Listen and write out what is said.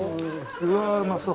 うわあうまそう！